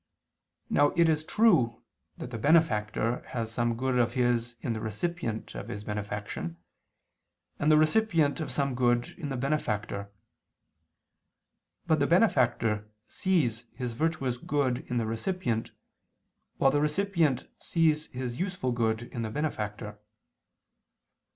Now it is true that the benefactor has some good of his in the recipient of his benefaction, and the recipient some good in the benefactor; but the benefactor sees his virtuous good in the recipient, while the recipient sees his useful good in the benefactor.